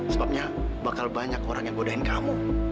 sebabnya bakal banyak orang yang godain kamu